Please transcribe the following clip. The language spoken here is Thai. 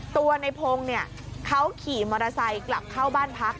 ตัวในพงศ์เขาขี่มอเตอร์ไซค์กลับเข้าบ้านพัก